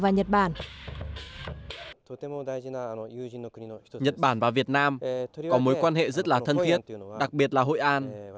nhật bản và việt nam có mối quan hệ rất là thân thiết đặc biệt là hội an